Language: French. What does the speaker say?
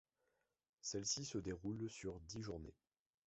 Celle-ci se déroule sur dix journées.